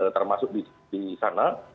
termasuk di sana